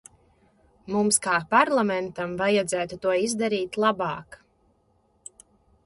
Mums kā Parlamentam vajadzētu to izdarīt labāk.